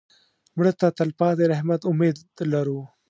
مړه ته د تلپاتې رحمت امید لرو